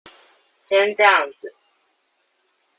先醬子